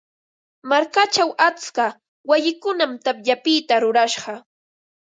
Markachaw atska wayikunam tapyapita rurashqa.